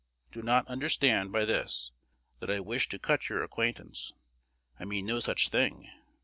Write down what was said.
Do not understand by this that I wish to cut your acquaintance. I mean no such thing.